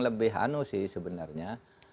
lebih ano sih sebenarnya